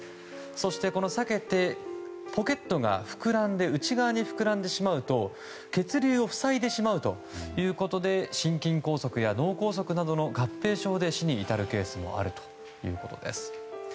そして、裂けてポケットが内側に膨らんでしまうと血流を塞いでしまうということで心筋梗塞や脳梗塞などの合併症で死に至るケースもあるということです。